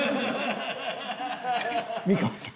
ちょっと美川さん？